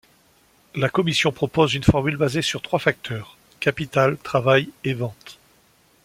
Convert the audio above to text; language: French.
La Commission propose une formule basé sur trois facteurs: capital, travail et ventes.